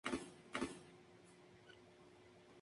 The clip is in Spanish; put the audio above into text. Galería Macarrón, Madrid.